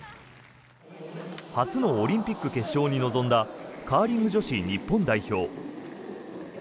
初のオリンピック決勝に臨んだカーリング女子日本代表。